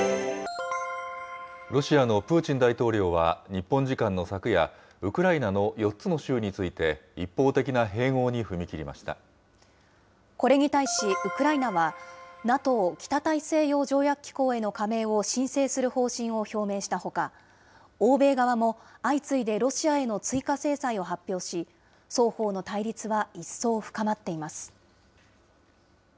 ロシアのプーチン大統領は日本時間の昨夜、ウクライナの４つの州について、これに対し、ウクライナは、ＮＡＴＯ・北大西洋条約機構への加盟を申請する方針を表明したほか、欧米側も相次いでロシアへの追加制裁を発表し、双方の対立は一層深まっています。